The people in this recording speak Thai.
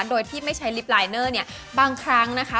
โดยที่ไม่ใช้ลิฟต์ลายเนอร์เนี่ยบางครั้งนะคะ